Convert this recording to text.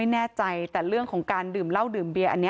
แน่ใจแต่เรื่องของการดื่มเหล้าดื่มเบียอันนี้